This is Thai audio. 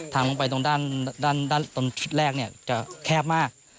ทางลงไปตรงด้านชุดแรกเนี่ยจะแคบมาก